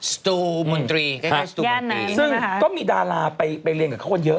ซึ่งก็มีดาราไปเรียนกับเขาคนเยอะ